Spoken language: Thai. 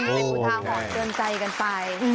โอเคโอเคโอเคโอเค